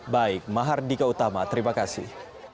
baik mahardika utama terima kasih